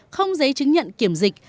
không giấy chứng nhận kiểm dịch